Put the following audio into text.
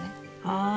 ああ。